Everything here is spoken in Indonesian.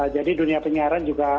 jadi dunia penyiaran juga